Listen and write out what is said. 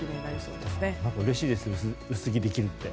うれしいです薄着できるって。